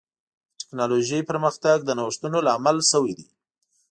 د ټکنالوجۍ پرمختګ د نوښتونو لامل شوی دی.